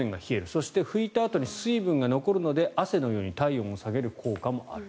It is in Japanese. そして、拭いたあとに水分が残るので、汗のように体温を下げる効果がある。